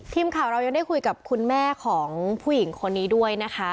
ทีมข่าวเรายังได้คุยกับคุณแม่ของผู้หญิงคนนี้ด้วยนะคะ